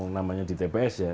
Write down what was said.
namanya di tps ya